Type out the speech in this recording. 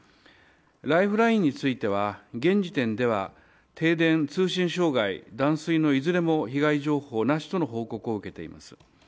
ライフラインについては現時点では停電、通信障害断水のいずれも被害情報なしとの報告を受けております。